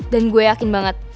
dan gue yakin banget